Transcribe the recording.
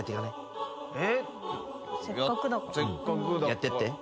やってって。